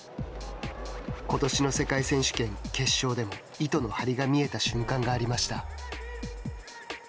ことしの世界選手権、決勝でも、糸の張りが見えた瞬間がありました。